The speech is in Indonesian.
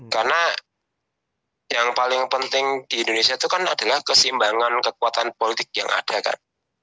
karena yang paling penting di indonesia itu kan adalah kesimbangan kekuatan politik yang ada kan